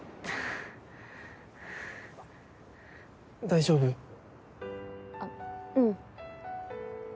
大丈夫？あうん。